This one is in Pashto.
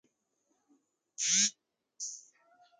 تۀ او کله ار سې